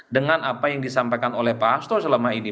dengan apa yang disampaikan oleh pak hasto selama ini